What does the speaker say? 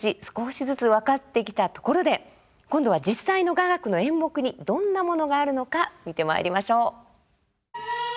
少しずつ分かってきたところで今度は実際の雅楽の演目にどんなものがあるのか見てまいりましょう。